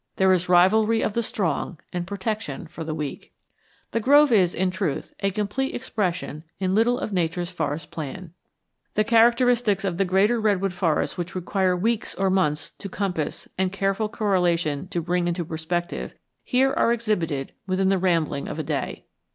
There is rivalry of the strong and protection for the weak. The grove is, in truth, a complete expression in little of Nature's forest plan. The characteristics of the greater redwood forests which require weeks or months to compass and careful correlation to bring into perspective, here are exhibited within the rambling of a day.